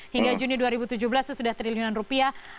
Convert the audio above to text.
hingga juni dua ribu tujuh belas itu sudah triliunan rupiah